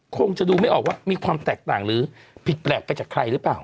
คงจะดูไม่ออกว่ามีความแตกต่างหรือผิดแปลกไปจากใครหรือเปล่า